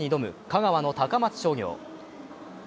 香川の高松商業。